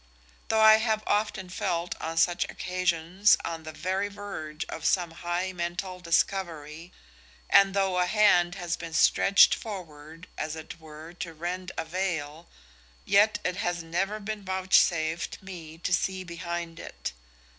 Though I have often felt on such occasions on the very verge of some high mental discovery, and though a hand has been stretched forward as it were to rend the veil, yet it has never been vouchsafed me to see behind it.